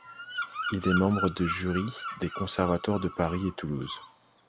Il est membre de jurys des conservatoires de Paris et Toulouse.